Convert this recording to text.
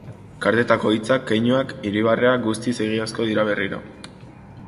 Kartetako hitzak, keinuak, irribarreak guztiz egiazko dira berriro.